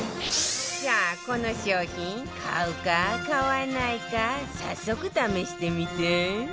さあこの商品買うか買わないか早速試してみて